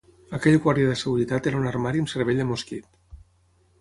Aquell guàrdia de seguretat era un armari amb cervell de mosquit.